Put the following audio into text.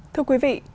thưa quý vị